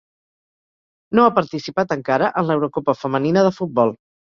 No ha participat encara en l'Eurocopa Femenina de Futbol.